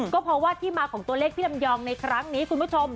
ก็เพราะว่าที่มาของตัวเลขพี่ลำยองในครั้งนี้คุณผู้ชม